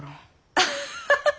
アハハハ！